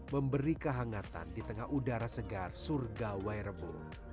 memberi kehangatan di tengah udara segar surga y rebo